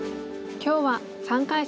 今日は３回戦